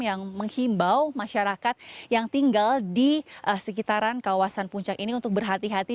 yang menghimbau masyarakat yang tinggal di sekitaran kawasan puncak ini untuk berhati hati